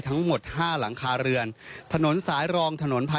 ทั้งหมด๕หลังคาเรือน